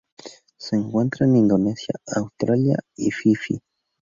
Se encuentra en Indonesia, Australia y Fiyi.